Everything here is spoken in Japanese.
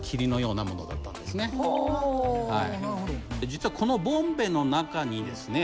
実はこのボンベの中にですね